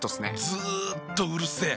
ずっとうるせえ。